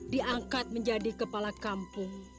diangkat menjadi kepala kampung